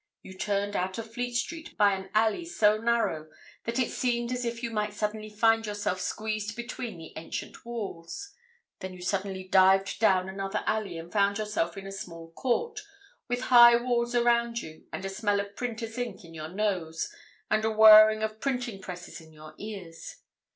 You turned out of Fleet Street by an alley so narrow that it seemed as if you might suddenly find yourself squeezed between the ancient walls. Then you suddenly dived down another alley and found yourself in a small court, with high walls around you and a smell of printer's ink in your nose and a whirring of printing presses in your ears.